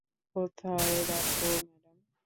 কোথায় রাখব, ম্যাডাম?